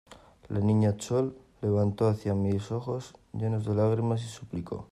la Niña Chole levantó hacia mí los ojos llenos de lágrimas, y suplicó: